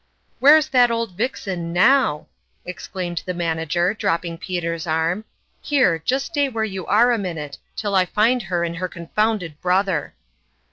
" Where's that old vixen now f " exclaimed the Manager, dropping Peter's arm. " Here, just stay where you are a minute, till I find her and her confounded brother